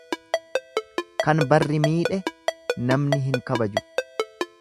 Kan barri miidhe namni hin kabaju.